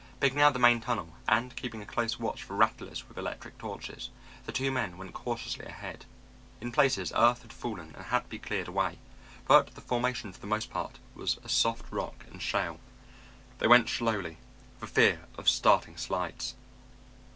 Picking out the main tunnel and keeping a close watch for rattlers with electric torches, the two men went cautiously ahead. In places earth had fallen and had to be cleared away, but the formation for the most part was a soft rock and shale. They went slowly, for fear of starting slides.